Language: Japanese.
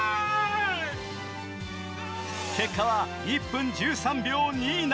結果は１分１３秒２７。